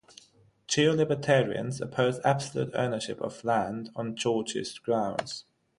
Geolibertarians oppose absolute ownership of land on Georgist grounds.